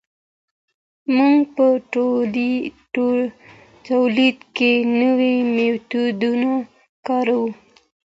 موږ په تولید کي نوي میتودونه کاروو.